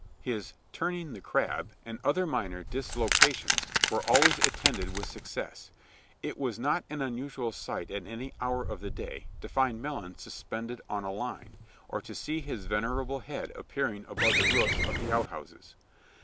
His "turning the crab," and other minor dislocations, were always attended with success. It was not an unusual sight at any hour of the day to find Melons suspended on a line, or to see his venerable head appearing above the roofs of the outhouses.